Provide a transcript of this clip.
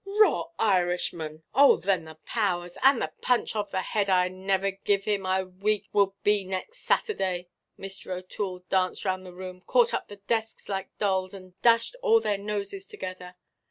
"Raw Irishman! Oh then the powers! And the punch of the head I never giv' him, a week will be next Saturday." Mr. OʼToole danced round the room, caught up the desks like dolls, and dashed all their noses together.